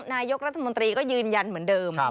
นายกรัฐมนตรีก็ยืนยันเหมือนเดิม